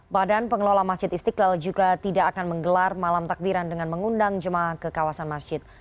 badan pengelola masjid istiqlal juga tidak akan menggelar malam takbiran dengan mengundang jemaah ke kawasan masjid